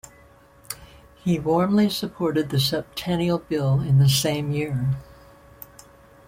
He warmly supported the Septennial Bill in the same year.